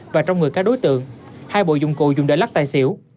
và trong người các đối tượng hai bộ dụng cụ dùng để lắc tài xỉu